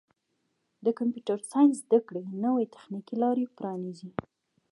د کمپیوټر ساینس زدهکړه نوې تخنیکي لارې پرانیزي.